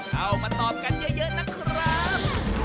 เข้ามาตอบกันเยอะนะครับ